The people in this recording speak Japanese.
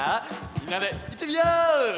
みんなでいってみよう！